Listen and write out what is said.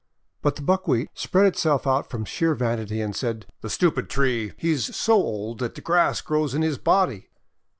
But the Buckwheat spread itself out from sheer vanity, and said: "The stupid tree! He's so old that the grass grows in his body!'